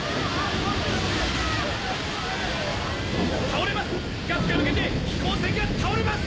倒れます！